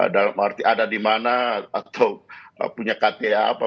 dalam arti ada di mana atau punya kta apa